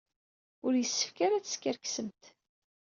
Ur yessefk ara ad teskerksemt.